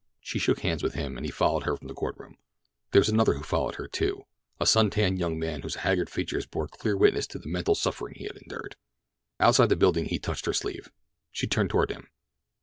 She shook hands with him, and he followed her from the court room. There was another who followed her, too. A sun tanned young man whose haggard features bore clear witness to the mental suffering he had endured. Outside the building he touched her sleeve. She turned toward him.